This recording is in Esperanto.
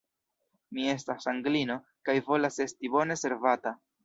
Mi estas Anglino, kaj volas esti bone servata.